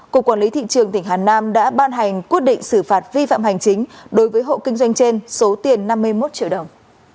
cục quản lý thị trường tỉnh hà nam đã ban hành quyết định xử phạt vi phạm hành chính đối với hộ kinh doanh trên số tiền năm mươi một triệu đồng